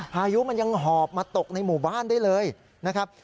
พายุมันยังหอบมาตกในหมู่บ้านได้เลยนะครับ